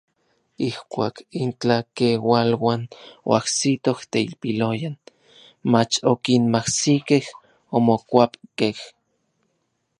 Ijkuak intlakeualuan oajsitoj teilpiloyan, mach okinmajsikej, omokuapkej.